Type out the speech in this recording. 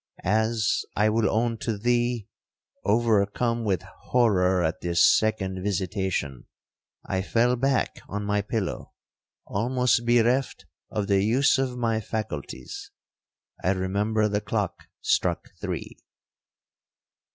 As, I will own to thee, overcome with horror at this second visitation, I fell back on my pillow almost bereft of the use of my faculties, I remember the clock struck three.'